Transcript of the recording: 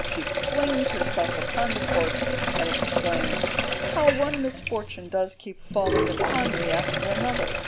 She flings herself upon the corpse and exclaims "How one misfortune does keep falling upon me after another!